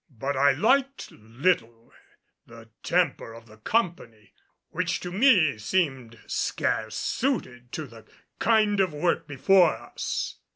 But I liked little the temper of the company, which to me seemed scarce suited to the kind of work before us.